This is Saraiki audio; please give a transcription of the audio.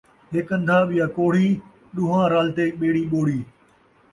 ہک ان٘دھا ، ٻیا کوڑھی ، ݙوہاں رل تے ٻیڑی ٻوڑی